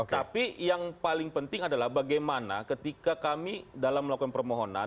tapi yang paling penting adalah bagaimana ketika kami dalam melakukan permohonan